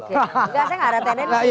saya gak ada tendensi